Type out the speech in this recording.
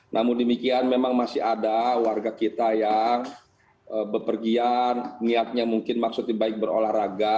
namun demikian memang masih ada warga kita yang bepergian niatnya mungkin maksudnya baik berolahraga